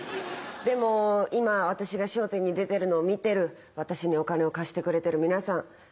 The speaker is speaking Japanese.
でも今私が『笑点』に出てるのを見てる私にお金を貸してくれてる皆さん。